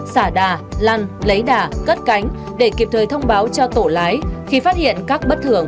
xả đà lăn lấy đà cất cánh để kịp thời thông báo cho tổ lái khi phát hiện các bất thường